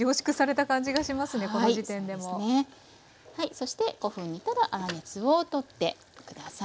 そして５分煮たら粗熱を取って下さい。